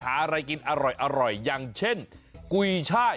อะไรกินอร่อยอย่างเช่นกุยช่าย